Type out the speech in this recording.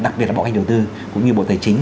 đặc biệt là bộ hành đầu tư cũng như bộ tài chính